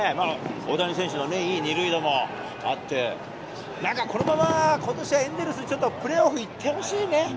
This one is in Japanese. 大谷選手のね、いい２塁打もあって、なんかこのまま、ことしはエンゼルスに、プレーオフに行ってほしいね。